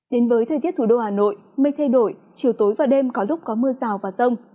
đến với thời tiết thủ đô hà nội mây thay đổi chiều tối và đêm có lúc có mưa rào và rông